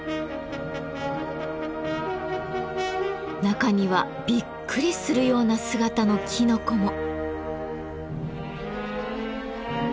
中にはびっくりするような姿のきのこも。